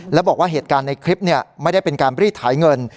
แล้วบอกว่าเหตุการณ์ในคลิปไม่ได้เป็นการรีดถ่ายเงิน